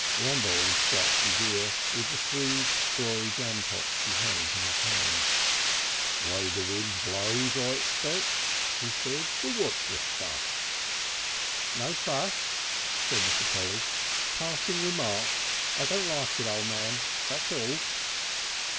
Rumbold scratched his ear with the three strawy jampots he held in his hand. "Way the wind blows, I expect," he said. "But what's the fuss?" "No fuss!" said Mr. Polly. "Passing Remark. I don't like it, O' Man, that's all."